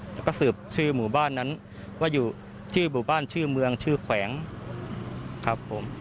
แล้วก็สืบชื่อหมู่บ้านนั้นว่าอยู่ชื่อหมู่บ้านชื่อเมืองชื่อแขวงครับผม